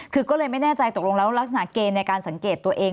คือก็เลยไม่แน่ใจตกลงแล้วลักษณะเกณฑ์ในการสังเกตตัวเอง